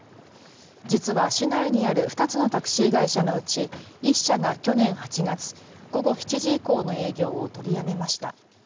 実は市内にある２つのタクシー会社のうち１社が去年８月、午後７時以降の営業を取りやめました。